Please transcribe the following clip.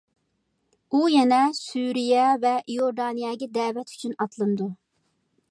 ئۇ يەنە سۈرىيە ۋە ئىيوردانىيەگە دەۋەت ئۈچۈن ئاتلىنىدۇ.